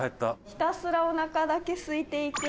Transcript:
「ひたすらおなかだけすいていく」